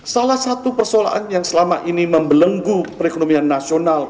salah satu persoalan yang selama ini membelenggu perekonomian nasional